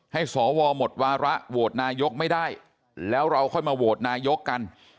สวหมดวาระโหวตนายกไม่ได้แล้วเราค่อยมาโหวตนายกกัน